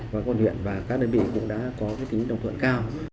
và các đơn vị cũng đã có tính đồng thuận cao